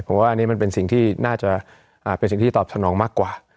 ผมว่าอันนี้มันเป็นสิ่งที่น่าจะเป็นสิ่งที่ตอบสนองมากกว่า